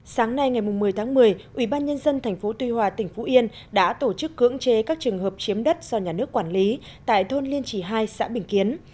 sáng nay ngày một mươi tháng một mươi ubnd tp tuy hòa tỉnh phú yên đã tổ chức cưỡng chế các trường hợp chiếm đất do nhà nước quản lý tại thôn liên chỉ hai xã bình kiến